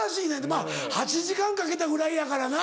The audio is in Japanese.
まぁ８時間かけたぐらいやからな。